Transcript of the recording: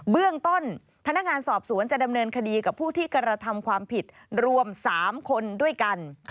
เบื้องต้นพนักงานสอบสวนจะดำเนินคดีกับผู้ที่กระทำความผิดรวม๓คนด้วยกัน